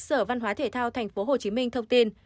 sở văn hóa thể thao tp hcm thông tin